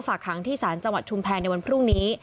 หางที่ศาลจังหวัดชุมแพรในวันพรุ่งนี้